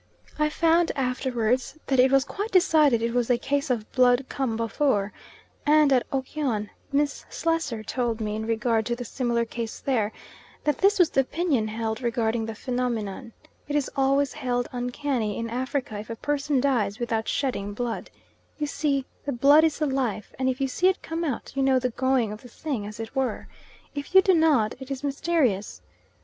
I found afterwards that it was quite decided it was a case of "blood come before," and at Okyon, Miss Slessor told me, in regard to the similar case there, that this was the opinion held regarding the phenomenon. It is always held uncanny in Africa if a person dies without shedding blood. You see, the blood is the life, and if you see it come out, you know the going of the thing, as it were. If you do not, it is mysterious.